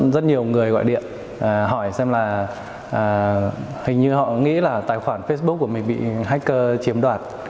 rất nhiều người gọi điện hỏi xem là hình như họ nghĩ là tài khoản facebook của mình bị hacker chiếm đoạt